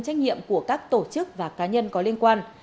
trách nhiệm của các tổ chức và cá nhân có liên quan